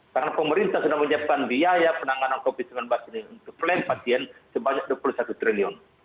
karena pemerintah sudah menyiapkan biaya penanganan covid sembilan belas ini untuk pelayanan pasien sebanyak rp dua puluh satu triliun